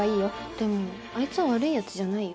でもあいつは悪いヤツじゃないよ。